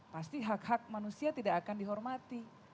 pasti hak hak manusia tidak akan dihormati